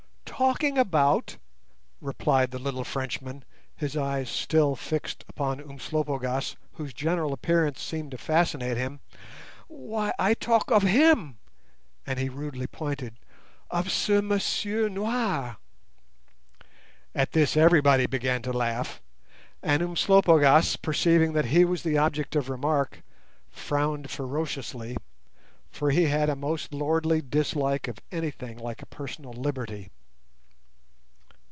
"Talking about!" replied the little Frenchman, his eyes still fixed upon Umslopogaas, whose general appearance seemed to fascinate him; "why I talk of him"—and he rudely pointed—"of ce monsieur noir." At this everybody began to laugh, and Umslopogaas, perceiving that he was the object of remark, frowned ferociously, for he had a most lordly dislike of anything like a personal liberty.